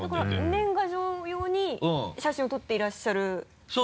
年賀状用に写真を撮っていらっしゃるのかなっていう。